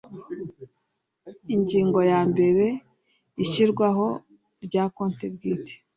ingingo ya mbere ishyirwaho rya konti bwite